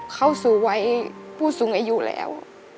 เข้าสู่วัยผู้สูงอายุแล้ว